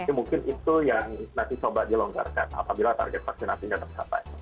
jadi mungkin itu yang nanti coba dilonggarkan apabila target vaksinasi tidak tercapai